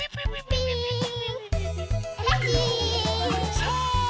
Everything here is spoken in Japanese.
さあ！